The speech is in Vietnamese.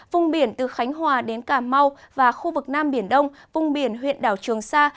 vùng biển từ khánh hòa đến cà mau và khu vực nam biển đông vùng biển huyện đảo trường sa